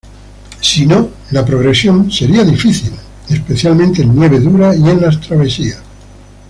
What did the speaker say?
Si no, la progresión sería difícil, especialmente en nieve dura y en las travesías.